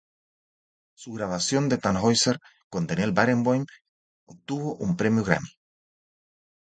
Su grabación del Tannhäuser, con Daniel Barenboim, obtuvo un premio Grammy.